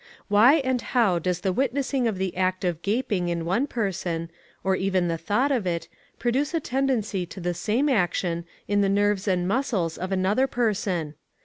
Why and how does the witnessing of the act of gaping in one person, or even the thought of it, produce a tendency to the same action in the nerves and muscles of another person?